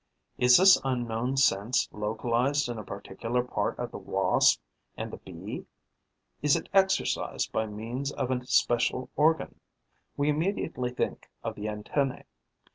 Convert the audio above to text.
Is this unknown sense localized in a particular part of the Wasp and the Bee? Is it exercised by means of a special organ? We immediately think of the antennae.